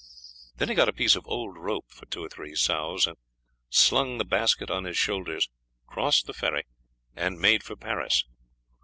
Then he got a piece of old rope for two or three sous, slung the basket on his shoulders, crossed the ferry, and made for Paris.